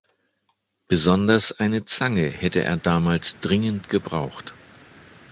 Besonders eine Zange hätte er damals dringend gebraucht.